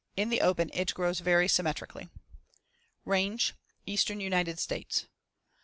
In the open it grows very symmetrically. Range: Eastern United States.